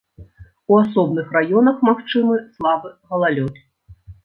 У асобных раёнах магчымы слабы галалёд.